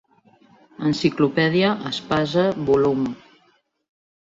Enciclopèdia Espasa volum.